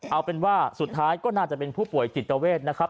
เอาเป็นว่าสุดท้ายก็น่าจะเป็นผู้ป่วยจิตเวทนะครับ